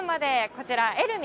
こちら、エルミ